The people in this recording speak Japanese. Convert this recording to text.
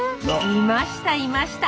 いましたいました！